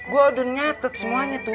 gue udah nyatet semuanya tuh